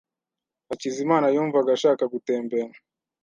Hakizimana yumvaga ashaka gutembera.